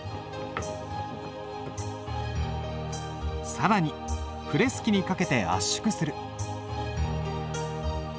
更にプレス機にかけて圧縮する。